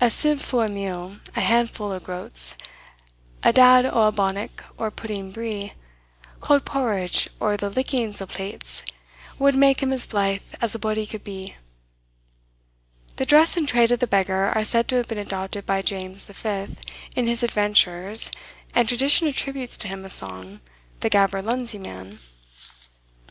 A sieve fu' o' meal, a handfu' o' groats, A dad o' a bannock, or pudding bree, Cauld porridge, or the lickings o' plates, Wad make him as blythe as a body could be. The dress and trade of the beggar are said to have been adopted by James V. in his adventures, and tradition attributes to him a song, "The Gaberlunzie Man."